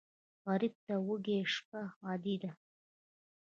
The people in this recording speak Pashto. غریب ته وږې شپه عادي ده